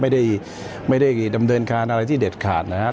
ไม่ได้ไม่ได้ดำเนินการอะไรที่เด็ดขาดนะครับ